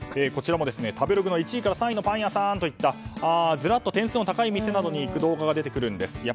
こちらも食べログの１位から３位のパン屋さんといったズラッと点数の高い店の動画が出てくるんです。